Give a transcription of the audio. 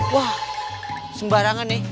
wah sembarangan nih